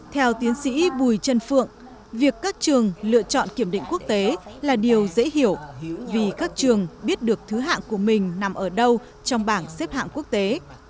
theo tiến sĩ bùi trần phượng việc các trường lựa chọn kiểm định quốc tế là điều dễ hiểu vì các trường biết được thứ hạng của mình nằm ở đâu trong bảng xếp hạng quốc tế